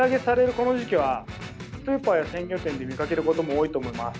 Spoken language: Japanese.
この時期はスーパーや鮮魚店で見かけることも多いと思います。